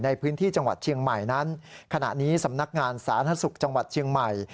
ในพื้นที่จังหวัดเชียงใหม่นั้นขณะนี้สำนักงานสาธารณสุขจังหวัดเชียงใหม่